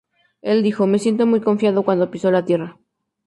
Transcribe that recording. Él dijo: "Me siento muy confiado cuando piso la tierra.